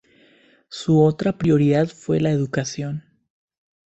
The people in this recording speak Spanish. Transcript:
Su otra prioridad fue la educación.